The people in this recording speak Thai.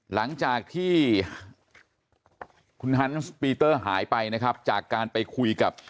หลังจากที่คุณฮันส์ปีเตอร์หายไปนะครับจากการไปคุยกับ